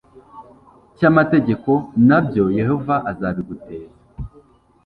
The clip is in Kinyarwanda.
cy'amategeko, na byo yehova azabiguteza